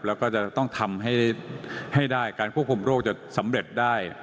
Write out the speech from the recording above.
แล้วก็จะต้องทำให้ได้การควบคุมโรคจะสำเร็จได้